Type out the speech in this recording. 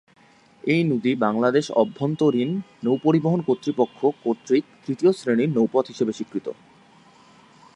এই নদী বাংলাদেশ অভ্যন্তরীণ নৌপরিবহন কর্তৃপক্ষ কর্তৃক তৃতীয় শ্রেণির নৌপথ হিসেবে স্বীকৃত।